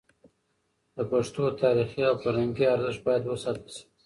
د پښتو تاریخي او فرهنګي ارزښت باید وساتل شي.